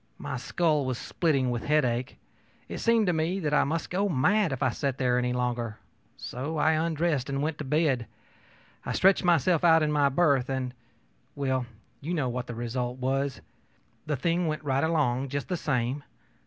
My skull was splitting with headache. It seemed to me that I must go mad if I sat there any longer; so I undressed and went to bed. I stretched myself out in my berth, and well, you know what the result was. The thing went right along, just the same.